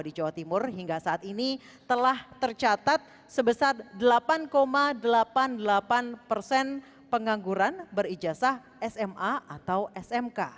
di jawa timur hingga saat ini telah tercatat sebesar delapan delapan puluh delapan persen pengangguran berijasa sma atau smk